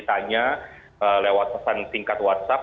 tanya lewat pesan singkat whatsapp